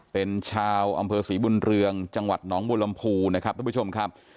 เป็นชาวอำเภอศรีบุญเรืองจังหวัดหนองบุรมภูนะครับทุกผู้ชมครับ